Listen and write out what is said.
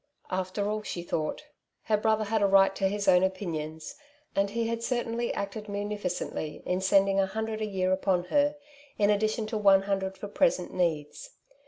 After all, she thought, her brother had a right to his own opinions, and he had certainly acted munificently in settling a hundred a year upon her, in addition to one hundred for present needs.